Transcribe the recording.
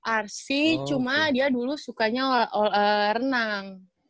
arsi cuma dia dulu sukanya renang